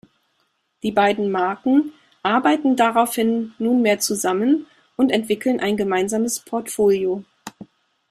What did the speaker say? Die beiden Marken arbeiten daraufhin nunmehr zusammen und entwickeln ein gemeinsames Portfolio.